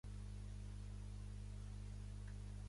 Els "Gonzales Rangers" de Mathew Caldwell.